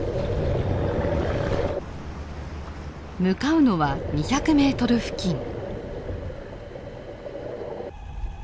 向かうのは２００ｍ付近。